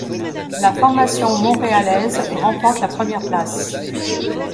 La formation montréalaise remporte la première place.